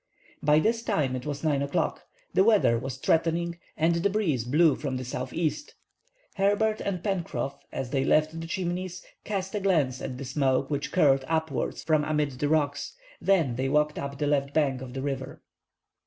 By this time it was 9 o'clock. The weather was threatening and the breeze blew from the southeast. Herbert and Pencroff, as they left the Chimneys, cast a glance at the smoke which curled upwards from amid the rocks; then they walked up the left bank of the river.